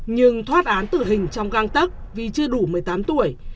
nhưng thoát án tử hình trong găng tấc vì chưa đủ một mươi tám tuổi